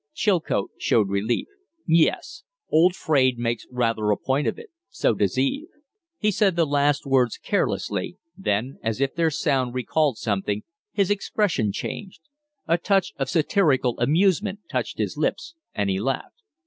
Chilcote showed relief. "Yes. Old Fraide makes rather a point of it so does Eve." He said the last words carelessly; then, as if their sound recalled something, his expression changed. A touch of satirical amusement touched his lips and he laughed.